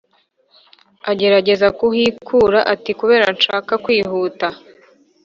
agerageza kuhikura ati "kubera nshaka kwihuta